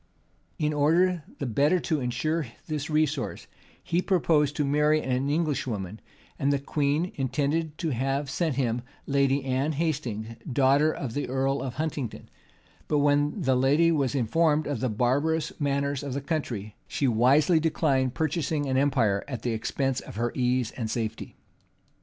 In order the better to insure this resource, he purposed to marry an English woman; and the queen intended to have sent him Lady Anne Hastings; daughter of the earl of Huntingdon: but when the lady was informed of the barbarous manners of the country, she wisely declined purchasing an empire at the expense of her ease and safety.